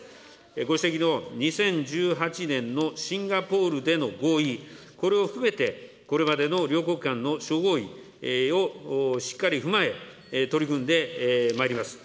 ご指摘の２０１８年のシンガポールでの合意、これを含めて、これまでの両国間の諸合意をしっかり踏まえ、取り組んでまいります。